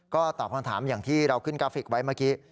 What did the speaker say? ก็ตอบคำถามอย่างที่เราขึ้นกราฟิกไว้เมื่อกี้